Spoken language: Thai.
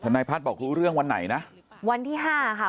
ท่านนายพรรดิบอกรู้เรื่องวันไหนนะวันที่๕ค่ะ